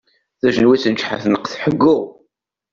Tajenwitt n ǧeḥḥa tneqq tḥeggu.